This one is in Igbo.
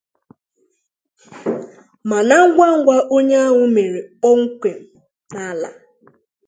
Mana ngwangwa onye ahụ mere kpọgèm n'ala